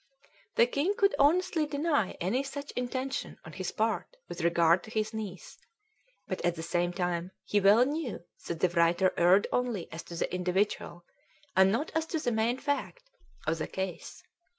The king could honestly deny any such intention on his part with regard to his niece; but, at the same time, he well knew that the writer erred only as to the individual, and not as to the main fact of the case.